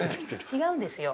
違うんですよ